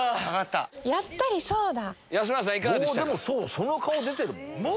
その顔出てるもん。